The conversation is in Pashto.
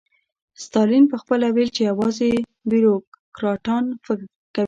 ستالین پخپله ویل چې یوازې بیروکراټان فکر کوي